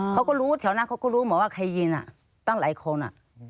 เขาก็รู้แถวนั้นเขาก็รู้หมดว่าใครยิงตั้งหลายคน